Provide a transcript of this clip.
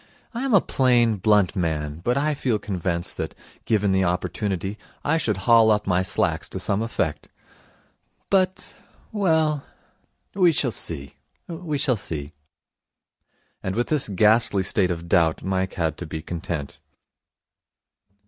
I am a plain, blunt man, but I feel convinced that, given the opportunity, I should haul up my slacks to some effect. But well, we shall see. We shall see.' And with this ghastly state of doubt Mike had to be content.